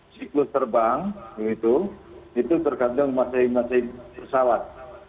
siklus terbang itu tergantung masing masing pesawat